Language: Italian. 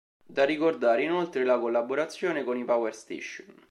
Da ricordare inoltre la collaborazione con i Power Station.